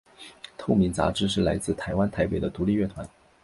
透明杂志是来自台湾台北的独立乐团。